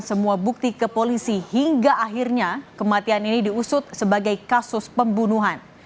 semua bukti ke polisi hingga akhirnya kematian ini diusut sebagai kasus pembunuhan